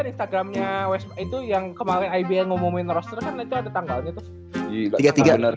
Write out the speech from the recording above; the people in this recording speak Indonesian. instagramnya west itu yang kemarin ibl ngomongin roster kan itu ada tanggalnya tuh